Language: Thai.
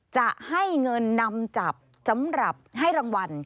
จะให้เงินนำจับให้รางวัล